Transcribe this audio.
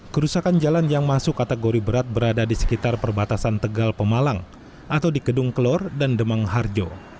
kerusakan jalan yang masuk kategori berat berada di sekitar perbatasan tegal pemalang atau di kedung kelor dan demang harjo